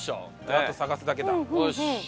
あと探すだけだ。